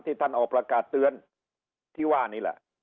ท่านออกประกาศเตือนที่ว่านี่แหละ